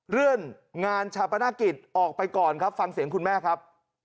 เลื่อนงานชาปนกิจออกไปก่อนครับฟังเสียงคุณแม่ครับ